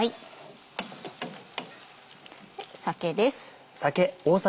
酒です。